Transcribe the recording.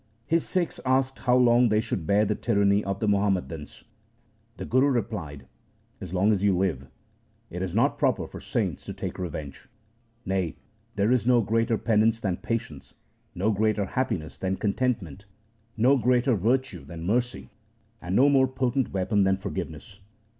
His Sikhs asked how long they should bear the tyranny of the Muhammadans. The Guru replied, ' As long as you live. It is not proper for saints to take revenge. Nay, there is no greater penance than patience, no greater happiness than contentment, no greater evil than greed, no greater virtue than mercy, and no more potent weapon than forgiveness.